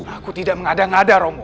aku tidak mengada ngada romo